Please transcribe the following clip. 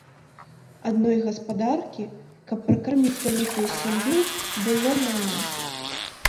Адной гаспадаркі, каб пракарміць вялікую сям'ю, было мала.